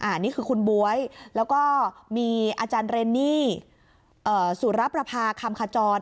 อันนี้คือคุณบ๊วยแล้วก็มีอาจารย์เรนนี่สุรประพาคำขจร